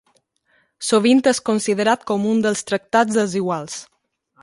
Sovint és considerat com un dels Tractats Desiguals.